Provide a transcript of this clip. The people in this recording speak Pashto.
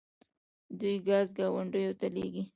دوی ګاز ګاونډیو ته لیږي.